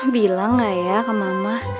bilang gak ya kemama